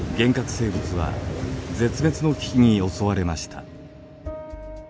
生物は絶滅の危機に襲われました。